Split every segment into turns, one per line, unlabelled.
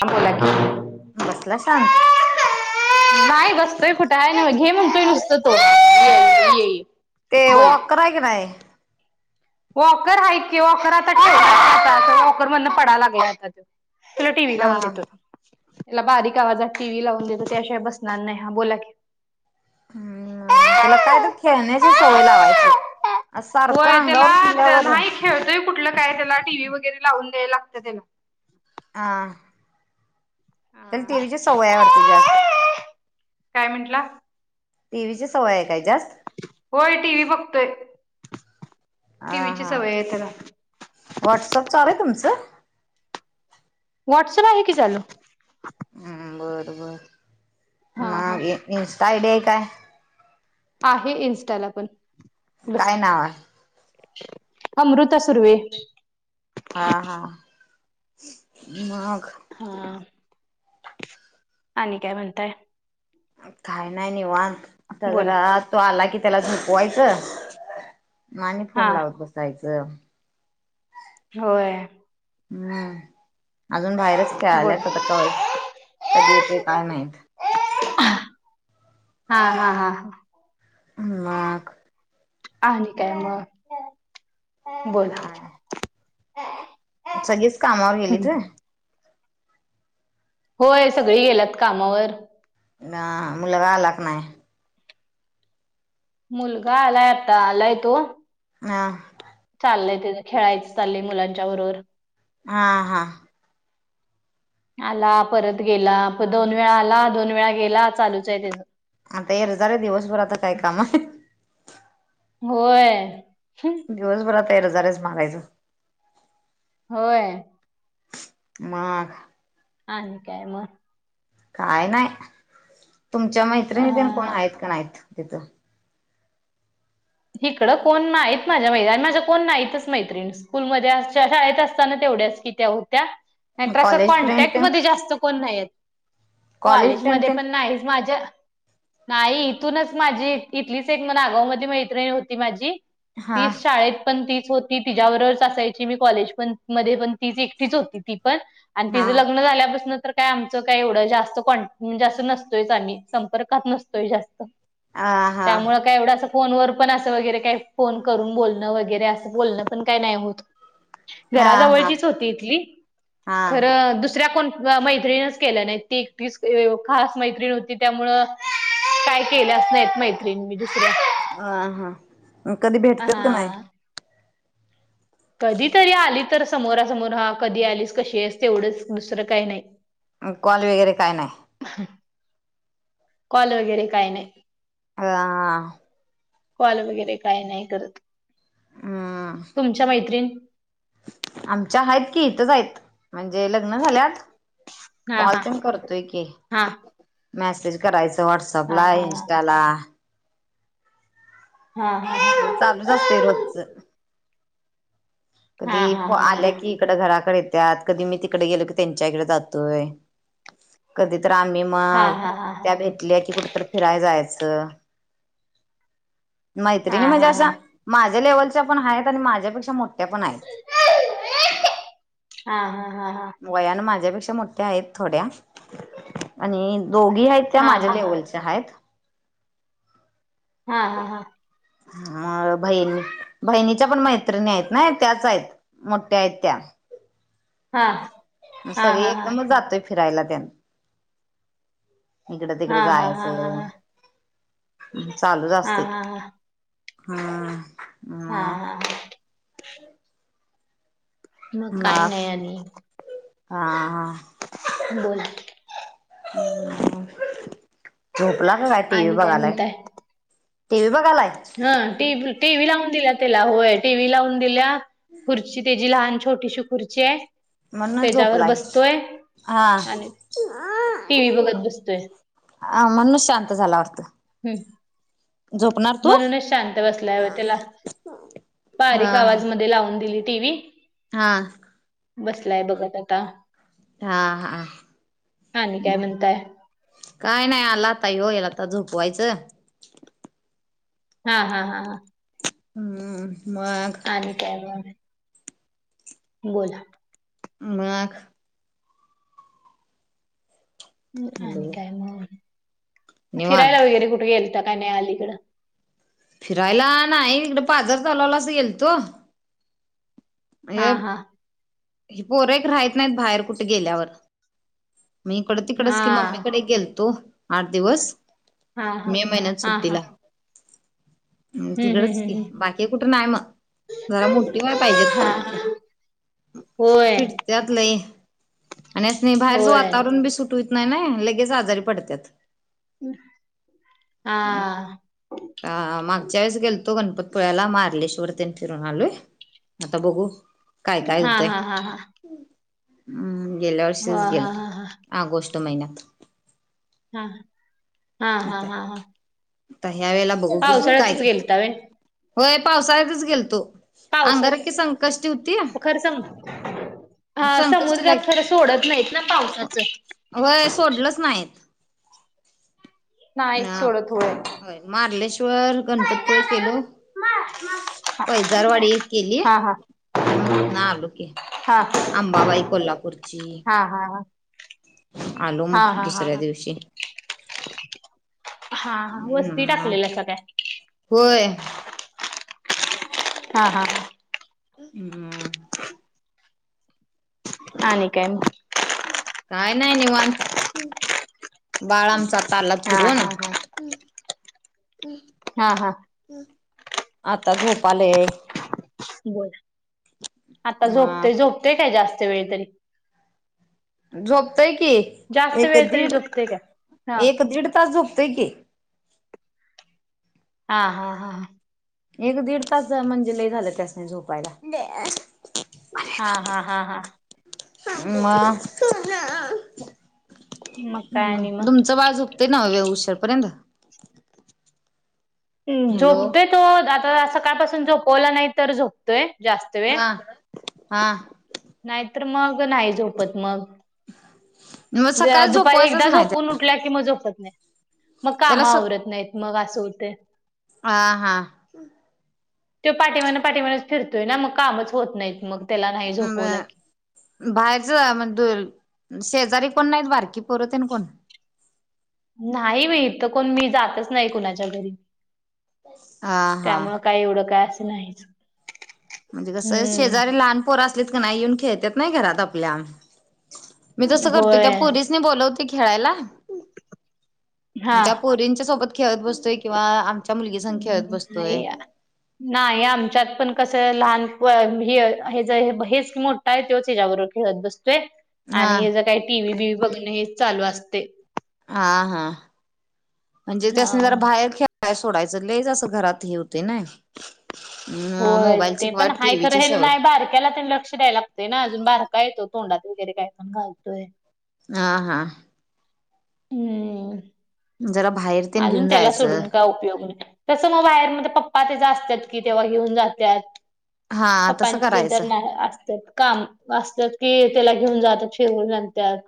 आमचालाकी [unintelligible] [unintelligible]
बसला शांत
[unintelligible] नाही बसतय कुठे आहे ना म घे म्हणतोय नुसत तो
ते
बोला
वॉकर आहे की नाही
वॉकर आहेत किवाॉकर आता खेळता वॉकर म्हण पडाय लाग होता तुला टी व्ही
हा
लावून देतो त त्याला बारीक आवाजात टीव्ही लावून देत त्यािवाय बसणार नाही हा बोला क
ह् त्याला काय तर खेळण्याची सवय लावायची अस सारख
होय त्याला नाही खेळतय कुठलं काय त्याला टीव्ही वगैरे लावून द्यायला लागतं त्याला
आ तर
हा
टीव्हीची सवय आवडते जास्त
काय मिनटला
टीव्हीची सवय आहे काय जास्त
होय टी व्ही बघतोय
आ
टीव्हीची
हा
सवय आहे त्याला
व्हॉट्सअप चालूय तुमचं
वाॉट्सप आहे कीचाल
हम् बर बर
हा हा
मग इंस्टा आयडिया आहे काय
आहे इन्स्टाला पण बस
काय नाव आहे
अमृता सुुर्वे
हा हा मग
हा आणि काय म्हणताय
काही नाही निवान आता
बोला
जरा तो आला कि त्याला झुपवायचं मानी फोन
हा
लावत कसायचं
होय
हम्म अजून बाहेरच खेळाल्यात आता
बोला
कावरय कधी येते काय मात
हा हा हा हा
लाख
आहे काय मग बोला
काय सगळीच कामावर गेलीत
होय सगळे गेलात कामावर
लगलक नाही
मुलगा आलाय आता आलाय तो
हा
चाललंय ते खेळायचं चालय मुलांच्या बरोबर
हा हा
आला परत गेला प दोन वेळा आला दोन वेळा गेला चालूच आहे त्याच
आता एरजार आहे दिवसभर आता काय काम आहे
होय
दिवसभरातर हजार आहेच मारायचं
होय
मग
आणि काय मग
काय नाही तुमच्या
अ
मैत्रिणीतन कोण आहेत का नाहीत तिथं
इिकडं कोण नाहीत माझ्या मैत माझं कोण नाहीतच मैत्र्रीण स्कूलमध्ये शाळेत असताना तेवढ्याच की होत्या नंतर असं
कॉलेज फ्रेंड
कॉन्टॅक्ट
तेन
म जास्त कोण नाही
कॉलेज फ्रेंड
कॉलेजमध्येध्ये
तेन
पण नाहीच माझ्या नाही इथूनच माझी इथलीच एक म आगाव मध्ये मैत्रिणी होती माझी
हा
तीच शाळेत पण तीच होती तिच्या्यावरच असायची मी कॉलेज पण म पण ती एकटीच होती ती पण आणि
हा
ति लग्न झाल्यापासून काय आमचं काय एवढं जास्त क् म्हणजे असं नसतोयच आम्ही संपर्कात नसतोय जास्त
आ हा
त्यामुळे का एवढं अस फोन व पण असं वगैरे काही फोन करून बोलणं वगैरे असं बोलणं पण काही नाही होत
हा हा
घराजवळचीच होती इथली
हा
खरं दुसऱ्या कोण मैत्रीणच केल्या नाही ती तीच खास मैत्रीण होती त्यामु काय केल्या अस नाहीत मैत्रिणी मी दुसऱ्या
अ हा कधी भेटतात का नाही
हा कधी तरी आली तर समोरासमोर हा कधी आलीस कशी आहेस तेवढंच दुसरं काही नाही
कॉल वगैरे काय नाही
कॉल वगैरे काय नाही
ह
कॉल वगैरे काय नाही करत
ह
तुमच्या मैत्रीण
आमच्या आहेत कि इथच आहेत म्हणजे लग्न झाल्यात
हा
कॉल
हा
तेण करतोय की
हा
मेसेज करायच
हा
व्हॉटसअपला इंस्टाला
हा
हे
हा
चालूच असते रोजच
हा हा हा
कधी प
हा
आल्या की त घरा कधी मी तिकडे गेलो की त्यांच्या इडे जातोय कधी तर आम्ही
हा
मग
हा हा
त्या भेटल्या की कुठ तर फिराय जायचं
हा
मैत्रिणी म्हणजे अशा
हा
माझ्या लेव्हलच्या पण आहेत आणि माझ्यापेक्षा मोठ्या पण आहेत
हा हा हा हा
वयान माझ्यापेक्षा मोठ्या आहेत थोड्या आणि दोघी आहेत त्या
हा हा हा हा
माझ्या
हा हा
लेवलच्या आहेत
हा हा हा
ह हा अ बहिणी बहिणीच्या पण मैत्रिणी आहेत ना त्याच आहेत मोठ्या आहेत त्या
हा हा
सगळे एकदमच जातोय फिरायला त्याना इकडं तिकडं
हा हा हा हा
जायचं
हा
चालूच असते
हा हा हा हा हा हा
हम्म
हा
म
हा मग काही नाही आले.
हा हा.
बोल.
झोपला का काय टी व्ही
आणि काय
बघायलाय.
म्हणताय?
टी वी बघालाय.
हा टीव्ही लावून दिल्या त्याला होय टीव्ही लावून दिल्या खुर्ची त्याची लहान छटी श. पुरचे
मण न झोपलाय हा.
आणि टीव्ही बघत बसतोय
अ मणू शांत झाला वाटतं.
हम्
झोपणार तू
म्हणूनच शांत बसला आहे त्याला
हा
बारीक आवाज मध्ये लावून दिली टी व्ही
हा.
बसलाय बघत आता
हा हा
आणि काय
म
म्हणताय
काय नाही आला आता येऊ याला आता झोपवायचं.
हा हा हा हा.
हम्म म
[unintelligible] बोला.
मग हॅलो
[unintelligible]
निवांत
फिरायला वगैरे कुठे गेल तर काय नाही अलीकडं.
फिरायला नाही इकडे पाजर चालावला अस गेल तो [unintelligible]
हा हा
राहत नाहीत बाहेर कुठे गेल्यावर मी इकड तिकडच
हा
कि मम्मीकडे गेल तो आठ दिवस
हा हा
मे महिन्यात
हा हा
सुट्टीला
हम्म
तिकडच की
हम्म.
बाकी कुठं नाही मग जरा मोठी व्हाय पाहिजेत
होय.
त्यात लय आणि नाही यातन बाहेरचं
होय
वातावरण बी सुटवत नाही ना लगेच आजारी पडतात.
हा.
तर मागच्या वेळेस गेलतो गणपतीपुळ्याला महाबळेश्वरती फिरून आलो आहे. आता बघू काय काय
हा
होतंय.
हा हा हा
हम् गेल्या
हो हा हा
वर्षीच
हा
[inaudible] ऑगस्ट महिन्यात आता
[unintelligible]
आता ह्या वेळेला बघू घ
पावसाळ्यातच
काय
गेलता व्हय
होय पावसाळ्यातच गेल तो. अंगारा
पावसाच
क संक
खरं स हा
संकष्टीला
समुद्रात खरं सोडत नाहीत ना पावसाचं
वय सोडलंच नाहीत.
नाहीच सोडत होय
ह मार्लेश्वर गणपतपुळे केलो. पैजारवाडी केली.
हा हा
आणि मग तिथ ना आलोक
हा
आहे अंबाबाई कोल्हापूरची
हा हा हा.
आलो
हा
मग
हा हा हा
दुसऱ्या दिवशी
हा हा वस्ती
हम्म होय.
हा हा हां.
हम्.
[unintelligible]
काय नाही निवांत. [unintelligible]
हा
फिरू ना
हा हा हा हा
आता झोपलाय.
बोल आता
म
झोपते झोपते काय जास्त वेळ तरी
झोपतय की,
जास्त
एक
वेळ तरी
दीड
झोपते काय? हा
एक दीड तास झोपतय की.
हा हा हा.
एक दीड तास म्हणजे लय झाल त्यासनी झोपायला.
हा हा हा हा.
मग
मग काय
हम,
आणि मग
तुमचं बाळ झोपतंय न्हव लय उशरपर्यंत. हॅलो
झोपतोय तो. आता सकाळपासून झोपवला नाही तर झोपतोय जास्त वेळ
हा हा.
नाहीतर मग नाही झोपत मग
मग सकाळी
दुपारी
झोपवायचंच
एकदा
नाही
झोपून उठला कि, मग झोपत नाही. मग काम
त्याला स
आवरत नाहीत. मग असं होते.
आ हा.
तो पाठीमागाण पाठीमागण फिरतोय ना, मग कामच होत नाहीत. मग त्याला नाही झोपवलं की.
बाहेरचं मग दूर शेजारी कोणं नाहीत बारकी पोरं तेन कोण?
नाही व्हय इथं कोण मी जातच नाही कुणाच्या घरी.
हा हा.
त्यामुळं काय एवढं काय असं नाहीच.
म्हणजे कसं शेजारी
हम्म
लहान पोर असलेत का नाही येऊन खेळत्यात की नाही घरात आपल्या. मी तसं करतो. त्या
होय
पोरीसनी बोलवते खेळायला त्या
हा
पोरींच्या सोबत खेळत बसतोय किंवा आमच्या मुलगीसगं खेळत बसतोय.
नाही नाही. आमच्यात पण कसं लहान व्हय हे हेज हेच की मो ठ आहे तोच हेच्याबरोबर खेळत बसतोय.
हा
आणि हेज काय टी व्ही बीवी बघण हेच चालू असते.
हा हा म्हणजे
हा
त्यासनी जरा बाहेर खे खेळाय सोडायचं. लईच असं घरात हे होते नाही.
होय. ते पण हाय खरं,
टीव्हीची
हे
सवय
नाही बारक्याला तेन लक्ष द्यायला ते ना अजून बारका आहे तो तोंडात वगैरे काय पण घालतोय.
हा हा.
हम्म
जरा बाहेर तेन
अजून
घेऊन
त्याला
जायचं
सोडून काय उपयोग नाही. तसं मग बाहेर मगं त्याचं पप्पा तेज असत्यात की तेव्हा घेऊन जात्यात.
हा तसं
पप्पांचे तीन चार
करायचं
ना असतात काम. असत्यात की त्याला घेऊन जातात फिरवून आणतात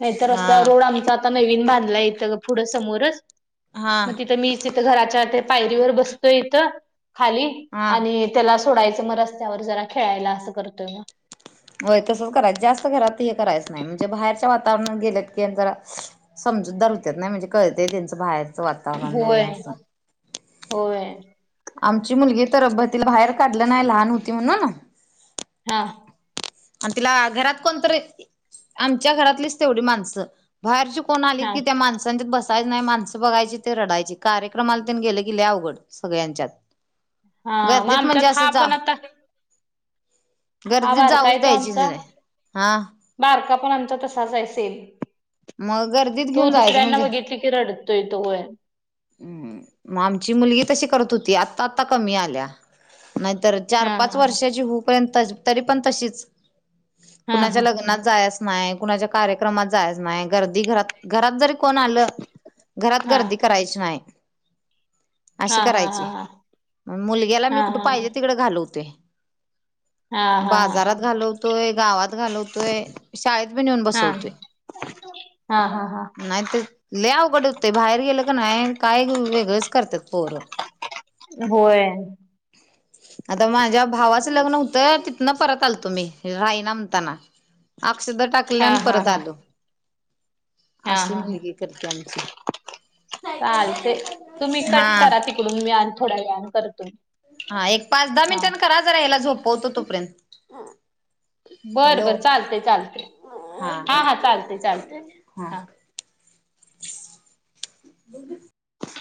नाहीतर
हा
रस्त्यावर रोड आम्हचा आता नवीन बांधला इथ पुढं समोरच
हा
मग तिथं मीच इथं घराच्या ते पायरीवर बसतोय इथं खाली
हा
आणि त्याला सोडायचं मग रस्त्यावर खेळायला असं करतोय मग.
होय. तसंच करायच जास्त घरात हे करायच नाही. म्हणजे बाहेरच्या वाता तावरणात गेल्यात की जरा समजूतदार होत्यात की नाही म्हणजे कळत त्यांचं बाहेर
होय. होय.
आमची मुलगी तर बतीला बाहेर काढलं नाही लहान होती म्हणून,
हां
आणि तिला घरात कोणतरी आमच्या घरातलीच तेवढी माणसं बाहेरचे कोण आली
हा
की त्या माणसांच्या बसायच नाही. माणस बघायची ते रडायचे. कार्यक्रमाला गेले की लय अवघड सगळ्यांच्यात.
हा मग
गर्दीत म्हणजे
आमच्यात
असं
हा
जा
पण आता हा
गर्दीत
बारका
जाऊ
आहे आमचा बारका पण आमचा तसाच आहे सेम
मग गर्दीत
तो
घेऊन जायचं.
दुसऱ्यांना
म्हणजे
बघितली रडतोय तो होय.
हम्. मग आमची मुलगी तशी करत होती. आता आता कमी आल्या नाहीतर, चार
हा
पाच
हा
वर्षाची होऊ पर्यंत तरी पण तशीच
हा
कुणाच्या
हा
लग्नात जायच नाही कुणाच्या कार्यक्रमात जायच नाही गर्दी घरात घरात जरी कोण आलं घरात
हा
गर्दी करायची नाही.
हा
अशी
हा
करायची
हा
म मुलग्याला मी
हा
कुठे पाहिजे तिकडं घालवते.
हा हा हा हा
बाजारात घालवतोय गावात घालवतोय शाळेत बी नेऊन
हा
बसवतोय. [inaudible]
हा हा हा.
नाही ते लय अवघड होतय बाहेर गेलं का नाही काय वेगळंच करतात पोर
होय.
ह [unintelligible] आता माझ्या भावाचं लग्न होतं तिथन परत आलतो मी राही ना म्हणताना अक्षदा टाकल्या
हा
आणि
हा
परत
हा
आलो
हा
अशी मुलगी करते आमची.
चाल ते तुम्ही कट
हा
करा तिकडून मी आणन थोड्या वेळान करतोय.
हा एक पाच दहा मिनिटान करा याला झोपवतो तोपर्यंत.
बर
हॅलो
बर चालते चालते हा हा चालते चालते हा.
ब [unintelligible]